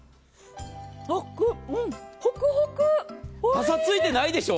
パサついてないでしょ？